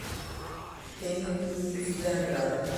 Henik Luiz de Andrade